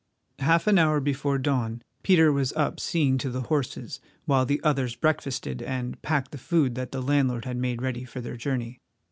Half an hour before dawn Peter was up seeing to the horses while the others breakfasted and packed the food that the landlord had made ready for their journey.